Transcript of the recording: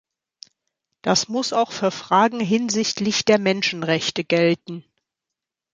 Das muss auch für Fragen hinsichtlich der Menschenrechte gelten.